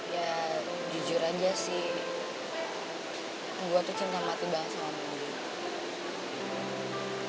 ya jujur aja sih gue tuh cinta mati banget sama mondi